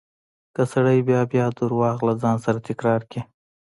که سړی بيا بيا درواغ له ځان سره تکرار کړي.